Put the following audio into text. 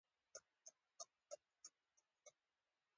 له جګړن سره مې یو څو شېبې بانډار وکړ.